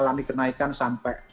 jadi kita juga melakukan banyak hal